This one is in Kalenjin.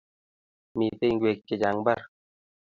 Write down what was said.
Mito ingwek chechang mbar